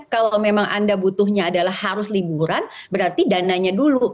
kalau memang anda butuhnya adalah harus liburan berarti dananya dulu